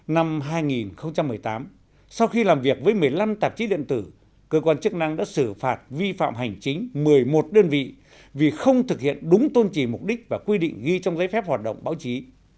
năm hai nghìn một mươi tám sau khi làm việc với một mươi năm tạp chí điện tử cơ quan chức năng đã xử phạt vi phạm hành chính một mươi một đơn vị vì không thực hiện đúng tôn trì mục đích và quy định ghi trong giấy phép hoạt động báo chí